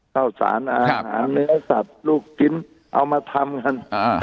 ข้าวสารอาหารเนื้อสัตว์ลูกชิ้นเอามาทำกัน